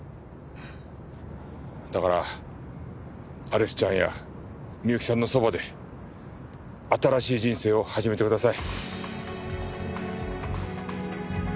だからアリスちゃんや美由紀さんのそばで新しい人生を始めてください。